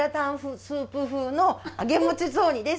スープ風の揚げ餅雑煮です。